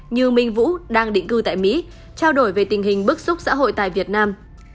như minh vũ đang định cư tại mỹ trao đổi về tình hình bức xúc xã hội tại việt nam